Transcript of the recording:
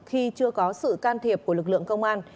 khi chưa có sự can thiệp của lực lượng công an